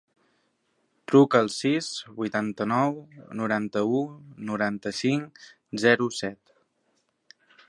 Truca al sis, vuitanta-nou, noranta-u, noranta-cinc, zero, set.